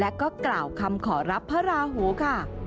และก็กล่าวคำขอรับพระราหูค่ะ